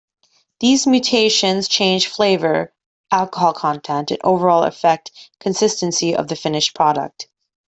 These mutations change flavor, alcohol content, and overall effect consistency of the finished product.